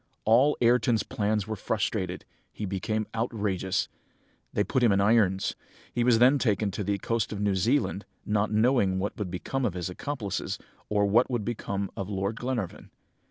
"All Ayrton's plans were frustrated! He became outrageous. They put him in irons. He was then taken to the coast of New Zealand, not knowing what would become of his accomplices, or what would become of Lord Glenarvan.